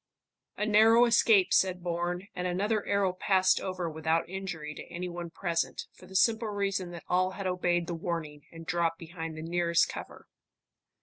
"A narrow escape," said Bourne, and another arrow passed over without injury to any one present, for the simple reason that all had obeyed the warning and dropped behind the nearest cover.